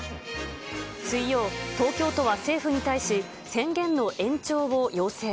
水曜、東京都は政府に対し、宣言の延長を要請。